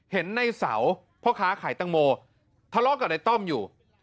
เห็นในเสาพ่อค้าขายตังโมทะเลาะกับในต้อมอยู่